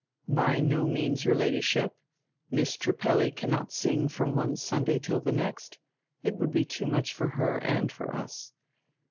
"By no means, your Ladyship. Miss Trippelli cannot sing from one Sunday till die next; it would be too much for her and for us.